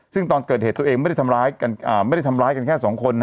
ซึ่งตอนเกิดเหตุตัวเองไม่ได้ทำร้ายกันแค่๒คน